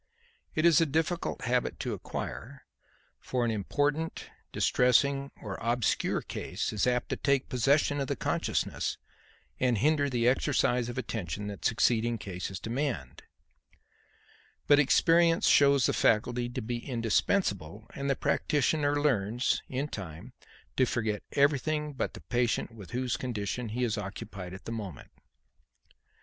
It is a difficult habit to acquire; for an important, distressing or obscure case is apt to take possession of the consciousness and hinder the exercise of attention that succeeding cases demand; but experience shows the faculty to be indispensable, and the practitioner learns in time to forget everything but the patient with whose condition he is occupied at the moment.